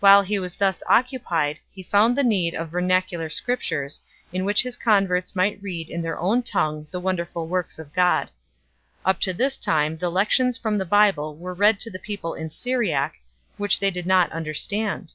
While he was thus occupied he found the need of vernacular Scriptures, in which his converts might read in their own tongue the wonderful works of God. Up to his time the lections from the Bible were read to the people in Syriac, which they did not understand.